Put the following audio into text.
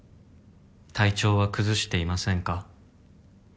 体調は崩していませんか？」